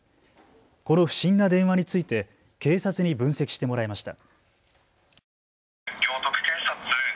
この不審な電話について警察に分析してもらいました。